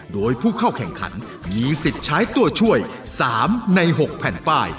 โดยผู้เข้าแข่งขันมีสิทธิ์ใช้ตัวช่วย๓ใน๖แผ่นป้าย